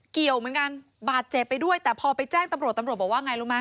เกี่ยวเหมือนกันบาดเจ็บไปด้วยแต่พอไปแจ้งตำรวจตำรวจบอกว่าไงรู้ไหม